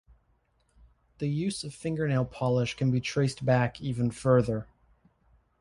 The use of fingernail polish can be traced back even further.